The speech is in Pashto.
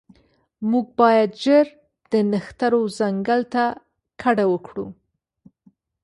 موږ باید ژر د نښترو ځنګل ته کډه وکړو